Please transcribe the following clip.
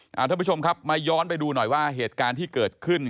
ท่านผู้ชมครับมาย้อนไปดูหน่อยว่าเหตุการณ์ที่เกิดขึ้น